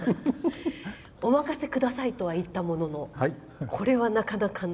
お任せくださいとは言ったもののこれは、なかなかの。